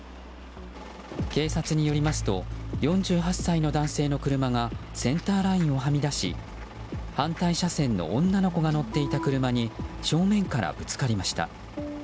警察によりますと４８歳の男性の車がセンターラインをはみ出し反対車線の女の子が乗っていた車に正面からぶつかりました。